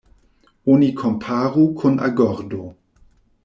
Oni komparu kun agordo.